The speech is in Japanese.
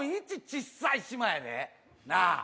ちっさい島やでなあ